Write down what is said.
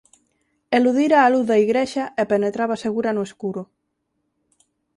Eludira a luz da igrexa e penetraba segura no escuro.